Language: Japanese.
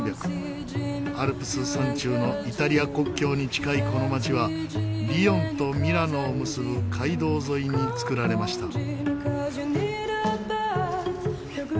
アルプス山中のイタリア国境に近いこの町はリヨンとミラノを結ぶ街道沿いにつくられました。